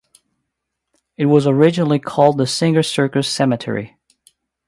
It was originally called the Singer Circus Cemetery.